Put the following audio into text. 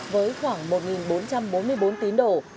với khoảng một bốn trăm bốn mươi bốn tín đổ